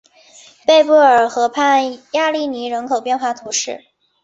贝布尔河畔雅利尼人口变化图示